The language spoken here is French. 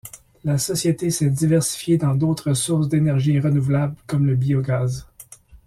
La société s'est diversifiée dans d'autres sources d'énergies renouvelables comme le biogaz.